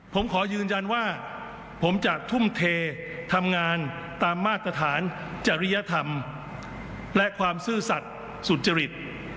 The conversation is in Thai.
ผมขอยืนยันว่าผมจะทุ่มเททำงานตามมาตรฐานจริยธรรมและความซื่อสัตว์สุจริต